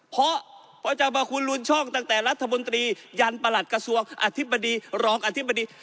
เพราะพระเจ้าพระคุณลุนช่องตั้งแต่รัฐมนตรียันประหลัดกระทรวงอธิบดีรองอธิบดี